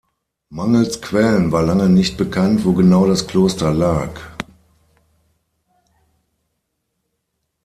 Mangels Quellen war lange nicht bekannt, wo genau das Kloster lag.